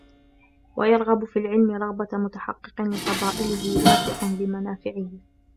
وَيَرْغَبَ فِي الْعِلْمِ رَغْبَةَ مُتَحَقِّقٍ لِفَضَائِلِهِ وَاثِقٍ بِمَنَافِعِهِ